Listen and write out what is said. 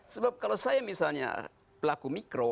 sebab kalau saya misalnya pelaku mikro